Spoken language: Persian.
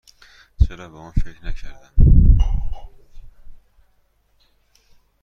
چرا به آن فکر نکردم؟